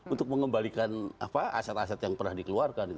untuk mengembalikan aset aset yang pernah dikeluarkan